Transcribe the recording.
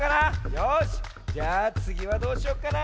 よしじゃあつぎはどうしようかな？